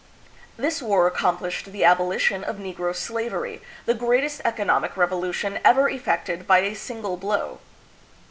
This war accomplished the abolition of negro slavery, the greatest economic revolution ever effected by a single blow.